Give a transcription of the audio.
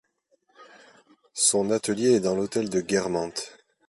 Son atelier est dans l'hôtel de Guermantes.